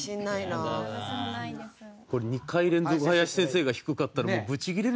これ２回連続林先生が低かったら。